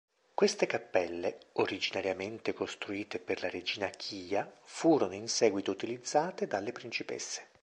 Queste cappelle, originariamente costruite per la regina Kiya, furono in seguito utilizzate dalle principesse.